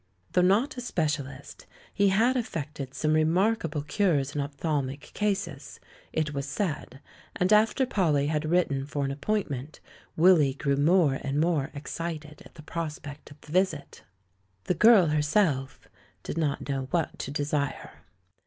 Though not a specialist he had effected some remarkable cures in ophthalmic cases, it waa said ; and after Pollj^ had written for an appoint ment, Willy grew more and more excited at the prospect of the visit. The girl herself did not know what to desire.